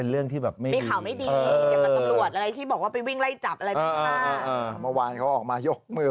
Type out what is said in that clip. เมื่อวานเขาออกมายกมือ